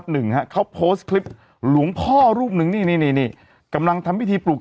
หนึ่งฮะเขาโพสต์คลิปหลวงพ่อรูปหนึ่งนี่นี่กำลังทำพิธีปลูก